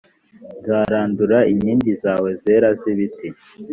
nzarandura inkingi zawe zera z’ibiti